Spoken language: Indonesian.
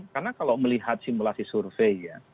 karena kalau melihat simulasi survei ya